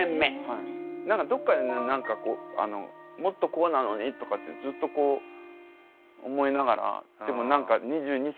何かどっかでね何か「もっとこうなのに」とかってずっとこう思いながら。